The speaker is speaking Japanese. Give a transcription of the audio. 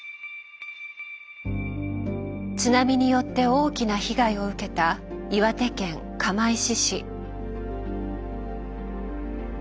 津波によって大きな被害を受けた岩手県釜石市。